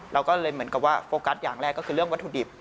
เราก็เลยเหมือนกับว่าโฟกัสอย่างแรกก็คือเรื่องวัตถุดิบ